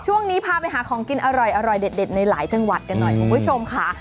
ช่วงนี้พาไปหาของกินอร่อยเด็ดในหลายจังหวัดกันหน่อยคุณผู้ชมค่ะ